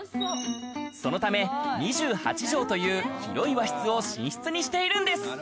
そのため、２８帖という広い和室を寝室にしているんです。